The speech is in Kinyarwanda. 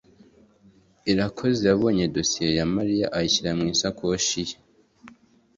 Ikoraze yabonye dosiye ya Mariya ayishyira mu isakoshi ye.